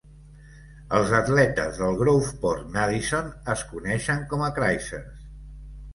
Els atletes del Groveport Madison es coneixen com a Cruisers.